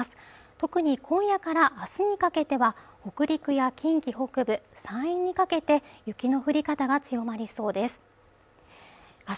特に今夜からあすにかけては北陸や近畿北部山陰にかけて雪の降り方が強まりそうです